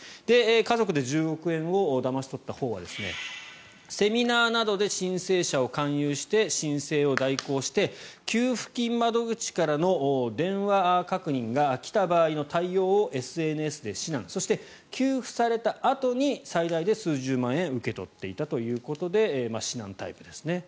家族で１０億円をだまし取ったほうはセミナーなどで申請者を勧誘して申請を代行して給付金窓口からの電話確認が来た時の対応をＳＮＳで指南そして給付されたあとに最大で数十万円受け取っていたということで指南タイプですね。